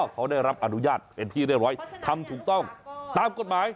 เขาได้รับอนุญาตเป็นที่เรียบร้อยทำถูกต้องตามกฎหมาย